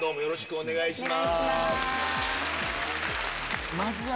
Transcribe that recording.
お願いします。